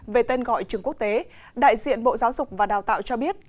về tên gọi trường quốc tế đại diện bộ giáo dục và đào tạo cho biết